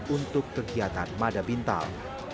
untuk kegiatan mada bintal